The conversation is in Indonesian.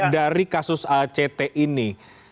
dari kasus act ini